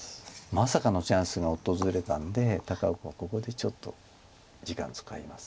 まさかのチャンスが訪れたんで高尾君ここでちょっと時間使います。